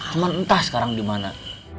aman entah sekarang di mana